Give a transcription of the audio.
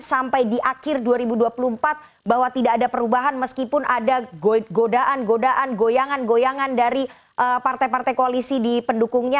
sampai di akhir dua ribu dua puluh empat bahwa tidak ada perubahan meskipun ada godaan godaan goyangan goyangan dari partai partai koalisi di pendukungnya